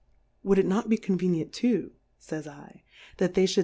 Would it not be conveni ent too^ fays Ij that they fhould.